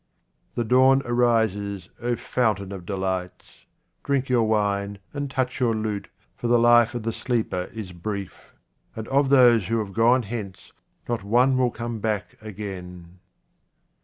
The dawn arises, O fountain of delights. Drink your wine and touch your lute, for the life of the sleeper is brief ; and of those who have gone hence not one will come back again.